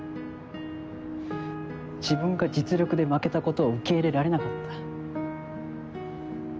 自分が実力で負けたことを受け入れられなかった。